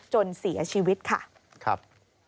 จนเสียชีวิตค่ะครับ